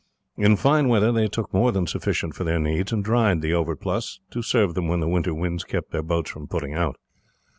In fine weather they took more than sufficient for their needs, and dried the overplus to serve them when the winter winds kept their boats from putting out.